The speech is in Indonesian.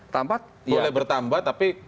tampak boleh bertambah tapi